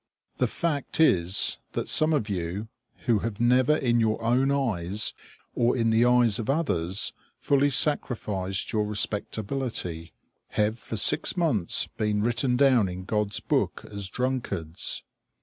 The fact is that some of you, who have never in your own eyes or in the eyes of others fully sacrificed your respectability, have for six months been written down in God's book as drunkards.